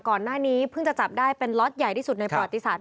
ก่อนหน้านี้เพิ่งจะจับได้เป็นล็อตใหญ่ที่สุดในประวัติศาสต